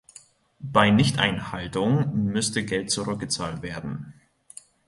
Bei Nichteinhaltung müsste Geld zurückgezahlt werden.